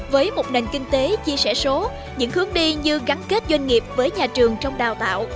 với một nền kinh tế chia sẻ số những hướng đi như gắn kết doanh nghiệp với nhà trường trong đào tạo